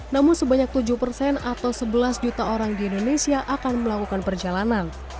namun sebanyak tujuh persen atau sebelas juta orang di indonesia akan melakukan perjalanan